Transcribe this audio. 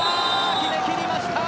決めきりました。